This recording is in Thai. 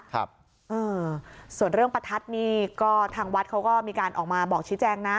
ครับเออส่วนเรื่องประทัดนี่ก็ทางวัดเขาก็มีการออกมาบอกชี้แจงนะ